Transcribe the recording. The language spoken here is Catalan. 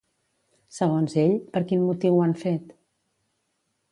Segons ell, per quin motiu ho han fet?